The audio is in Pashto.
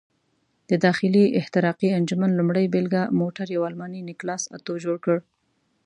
د داخلي احتراقي انجن لومړۍ بېلګه موټر یو الماني نیکلاس اتو جوړ کړ.